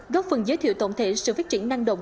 góp phần giới thiệu tổng thể sự phát triển năng động